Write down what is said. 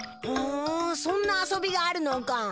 ほうそんな遊びがあるのか。